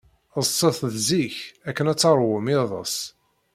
Ḍḍset zik akken ad teṛwum iḍes.